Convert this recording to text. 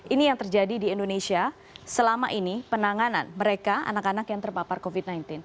ini yang terjadi di indonesia selama ini penanganan mereka anak anak yang terpapar covid sembilan belas